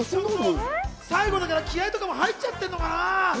最後だから気合いとかも入っちゃってんのかな。